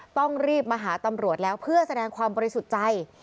ต้องรีบมาหาตำรวจแล้วเพื่อแสดงความบริสุทธิ์ใจ